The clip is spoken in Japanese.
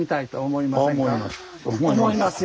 思います。